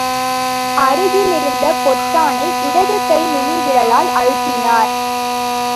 அருகிலிருந்த பொத்தானை இடது கை நுனி விரலால் அழுத்தினார்.